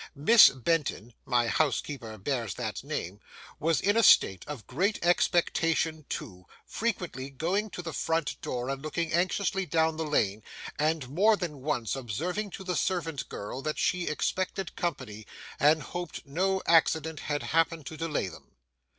Miss Benton (my housekeeper bears that name) was in a state of great expectation, too, frequently going to the front door and looking anxiously down the lane, and more than once observing to the servant girl that she expected company, and hoped no accident had happened to delay them.